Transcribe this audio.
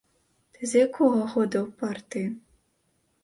Ты з якога года ў партыі?